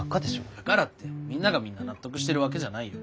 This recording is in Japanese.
だからってみんながみんな納得してるわけじゃないよ。